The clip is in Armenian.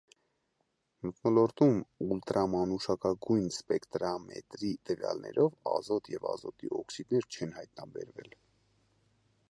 Մթնոլորտում ուլտրամանուշակագույն սպեկտրամետրի տվյալներով, ազոտ և ազոտի օքսիդներ չեն հայտնաբերվել։